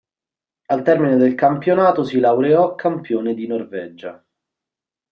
Al termine del campionato si laureò campione di Norvegia.